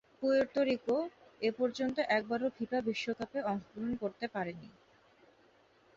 Puerto Rico এপর্যন্ত একবারও FIFA বিশ্বকাপে অংশগ্রহণ করতে পারেনি।